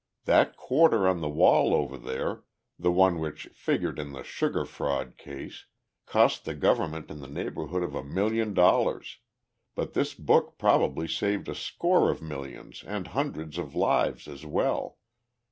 That quarter on the wall over there the one which figured in the Sugar Fraud case cost the government in the neighborhood of a million dollars, but this book probably saved a score of millions and hundreds of lives as well.